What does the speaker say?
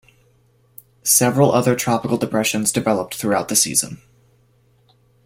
Several other tropical depressions developed throughout the season.